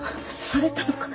されたのか。